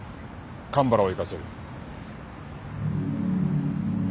蒲原を行かせる。